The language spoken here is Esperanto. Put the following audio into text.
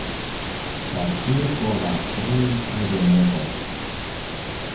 ĉar tio povas krei problemegojn.